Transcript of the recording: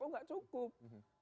oh gak cukup